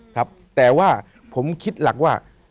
ครับแต่ว่าผมคิดหลักว่า